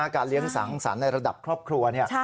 การเลี้ยงสังสรรค์ในระดับครอบครัว